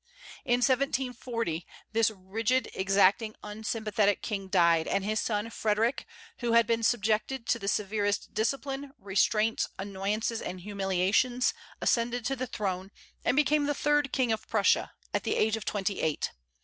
In 1740, this rigid, exacting, unsympathetic king died; and his son Frederic, who had been subjected to the severest discipline, restraints, annoyances, and humiliations, ascended the throne, and became the third King of Prussia, at the age of twenty eight.